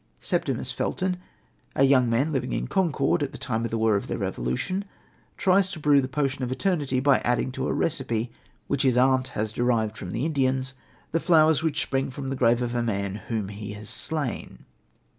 Septimius Felton, a young man living in Concord at the time of the war of the Revolution, tries to brew the potion of eternity by adding to a recipe, which his aunt has derived from the Indians, the flowers which spring from the grave of a man whom he has slain.